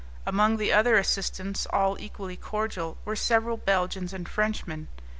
Among the other assistants, all equally cordial, were several Belgians and Frenchmen.